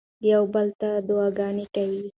یو بل ته دعاګانې کوئ.